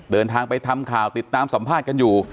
เดินทางไปทำข่าวติดตามสัมภาษณ์กันอยู่